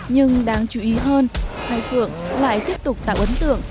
nhưng đáng chú ý hơn hai phượng lại tiếp tục tạo ấn tượng